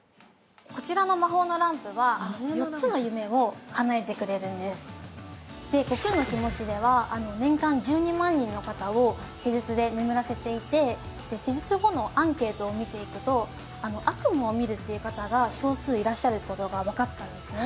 こちらの魔法のランプは悟空のきもちでは年間１２万人の方を施術で眠らせていて施術後のアンケートを見ていくと悪夢を見るっていう方が少数いらっしゃる事がわかったんですね。